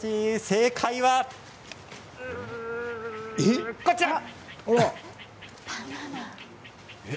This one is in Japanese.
正解はこちら。